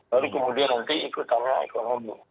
baru kemudian nanti ikutannya ekonomi